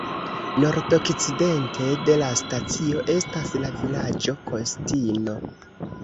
Nordokcidente de la stacio estas la vilaĝo Kostino.